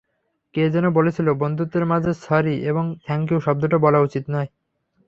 কে যেন বলেছিলো বন্ধুত্বের মাঝে, স্যরি এবং থ্যঙ্কইউ শব্দ বলা উচিত নয়।